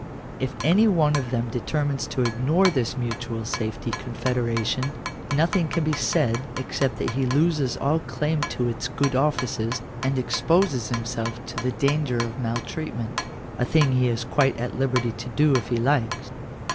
If any one of them determines to ignore this mutual safety confederation, nothing can be said except that he loses all claim to its good offices, and exposes himself to the danger of mal treatment — a thing he is quite at liberty to do if he likes.